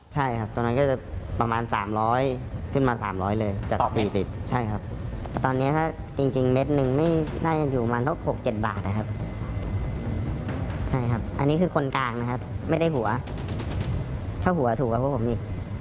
ใช่ครับตรงนั้นก็จะประมาณสามร้อยขึ้นมาสามร้อยเลยจากสี่สิบใช่ครับตอนนี้ถ้าจริงเม็ดหนึ่งไม่ได้อยู่มาละหกหกเจ็ดบาทนะครับใช่ครับอันนี้คือคนกลางนะครับไม่ได้หัวถ้าหัวถูกกับผมนี่